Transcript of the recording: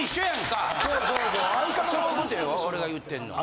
俺が言ってるのは。